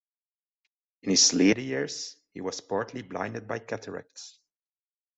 In his later years, he was partly blinded by cataracts.